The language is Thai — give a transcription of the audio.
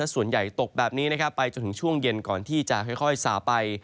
ส่วนใหญ่ตกแบบนี้ไปจนถึงช่วงเย็นก่อนที่จะค่อยสาไป